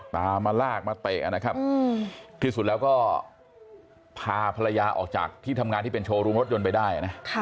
ตามมาลากมาเตะนะครับที่สุดแล้วก็พาภรรยาออกจากที่ทำงานที่เป็นโชว์รูมรถยนต์ไปได้นะ